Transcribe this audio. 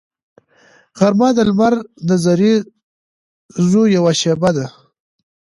غرمه د لمر د زریزو یوه شیبه ده